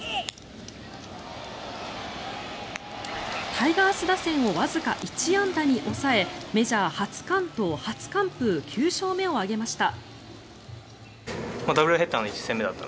タイガース打線をわずか１安打に抑えメジャー初完投・初完封９勝目を挙げました。